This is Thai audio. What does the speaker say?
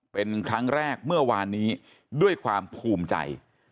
เป็นครั้งแรกเมื่อวานนี้ด้วยความภูมิใจ